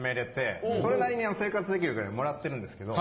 それなりに生活できるくらい貰ってるんですけど。